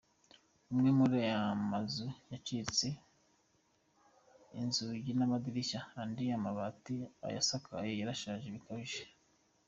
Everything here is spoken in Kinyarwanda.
Amwe muri aya mazu yacitse inzugi n’amadirishya, andi amabati ayasakaye yarashaje bikabije.